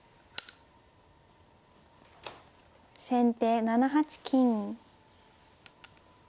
先手７八金。